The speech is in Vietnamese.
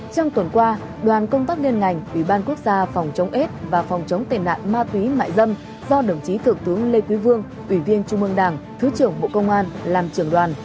trong tuần qua đoàn công tác liên ngành ủy ban quốc gia phòng chống aids và phòng chống tệ nạn ma túy mại dâm do đồng chí thượng tướng lê quý vương ủy viên trung ương đảng thứ trưởng bộ công an làm trưởng đoàn